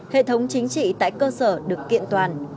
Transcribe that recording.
hệ thống chính trị tại cơ sở được kiện toàn